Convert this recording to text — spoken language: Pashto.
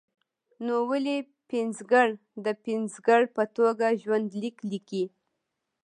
نو ولې پنځګر د پنځګر په توګه ژوند لیک لیکي.